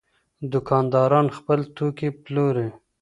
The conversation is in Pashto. دوکانداران خپل توکي پلوري.